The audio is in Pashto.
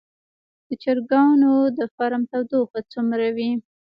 د چرګانو د فارم تودوخه څومره وي؟